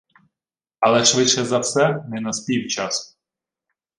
Але, швидше за все, – не наспів час